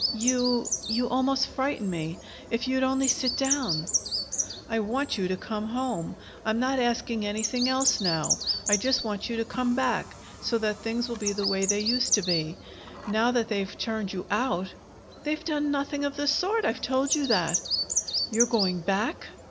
You you almost frighten me. If you'd only sit down " "I want you to come home. I'm not asking anything else now. I just want you to come back, so that things will be the way they used to be. Now that they have turned you out " "They've done nothing of the sort. I've told you that." "You're going back?"